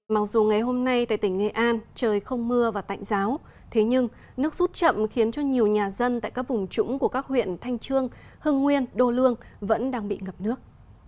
mặc dù ngày hôm nay tại tỉnh nghệ an trời không mưa và tạnh giáo thế nhưng nước rút chậm khiến cho nhiều nhà dân tại các vùng trũng của các huyện thanh trương hưng nguyên đô lương vẫn đang bị ngập nước